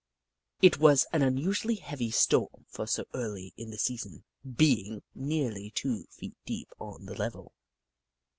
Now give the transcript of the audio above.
It was an unusually heavy storm for so early in the season, being nearly two feet deep on the level.